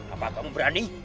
apa kamu berani